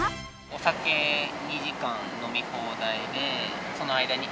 お酒２時間飲み放題で、その間に